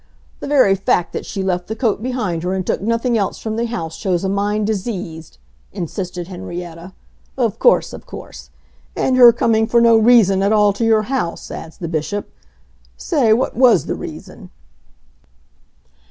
'The very fact that she left the coat behind her and took nothing else from the house shows a mind diseased,' insisted Henrietta. Of course of course! 'And her coming for no reason at all to your house,' adds the Bishop.... Say, what was the reason?"